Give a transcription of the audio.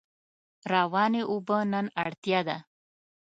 روانې اوبه نن اړتیا ده.